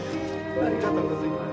ありがとうございます。